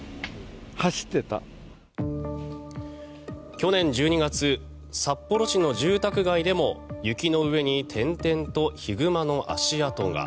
去年１２月札幌市の住宅街でも雪の上に点々とヒグマの足跡が。